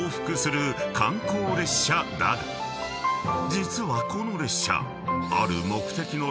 ［実はこの列車］